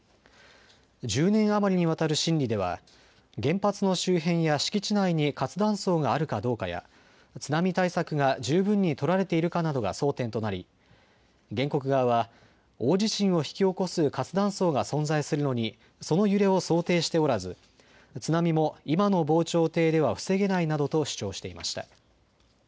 １０年余りにわたる審理では原発の周辺や敷地内に活断層があるかどうかや津波対策が十分に取られているかなどが争点となり原告側は大地震を引き起こす活断層が存在するのにその揺れを想定しておらず津波も今の防潮堤では防げないなどと主張していました。